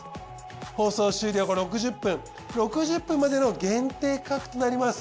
放送終了後６０分６０分までの限定価格となります。